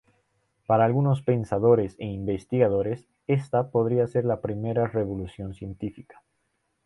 Para algunos pensadores e investigadores esta podría ser la primera revolución científica.